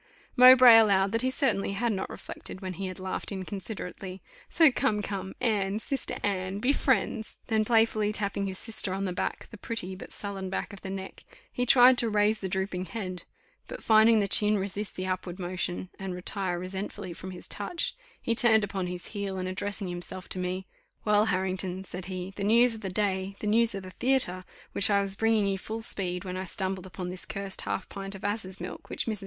Mowbray allowed that he certainly had not reflected when he had laughed inconsiderately. "So come, come. Anne, sister Anne, be friends!" then playfully tapping his sister on the back, the pretty, but sullen back of the neck, he tried to raise the drooping head; but finding the chin resist the upward motion, and retire resentfully from his touch, he turned upon his heel, and addressing himself to me, "Well! Harrington," said he, "the news of the day, the news of the theatre, which I was bringing you full speed, when I stumbled upon this cursed half pint of asses' milk, which Mrs..